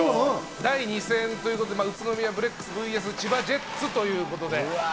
第２戦ということで、宇都宮ブレックスＶＳ千葉ジェッツということで。